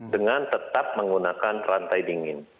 dengan tetap menggunakan rantai dingin